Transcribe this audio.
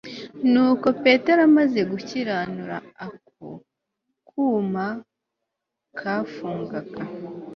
nuko petero amaze gukiranura ako kuma kafungaga